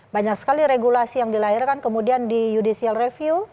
banyak sekali regulasi yang dilahirkan kemudian di judicial review